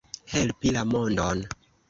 Helpi la mondon.